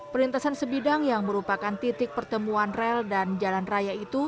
perlintasan sebidang yang merupakan titik pertemuan rel dan jalan raya itu